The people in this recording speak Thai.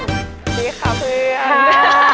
สวัสดีค่ะเพื่อน